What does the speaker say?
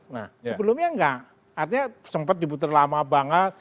sebelumnya nggak artinya sempat diputer lama banget